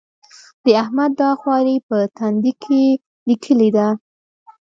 د احمد دا خواري په تندي کې ليکلې ده.